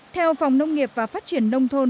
theo phòng nông nghiệp và phát triển nông thôn